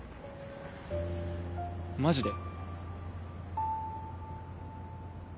マジで？